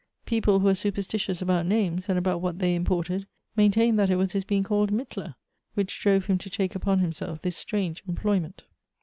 People who wei e superstitious about names, and about what they imported, maintained that it was his being called Mittler which drove him to take upon himself this strange em ployment.